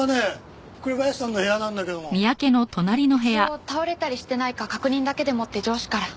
一応倒れたりしてないか確認だけでもって上司から。